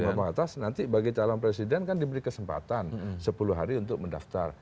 ambang batas nanti bagi calon presiden kan diberi kesempatan sepuluh hari untuk mendaftar